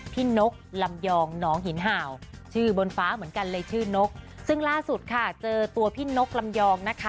นกลำยองน้องหินเห่าชื่อบนฟ้าเหมือนกันเลยชื่อนกซึ่งล่าสุดค่ะเจอตัวพี่นกลำยองนะคะ